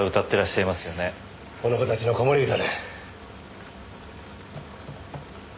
この子たちの子守唄だ。